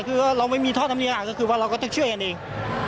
คือว่าเราไม่มีท่อน้ำเลี้ยงก็คือว่าเราก็จะช่วยกันเอง